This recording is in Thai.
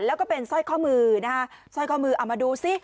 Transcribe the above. แล้วก็เป็นสร้อยข้อมือนะฮะสร้อยข้อมือเอามาดูซิ